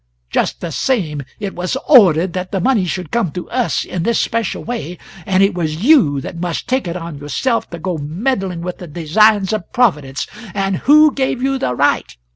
Just the same, it was ordered that the money should come to us in this special way, and it was you that must take it on yourself to go meddling with the designs of Providence and who gave you the right?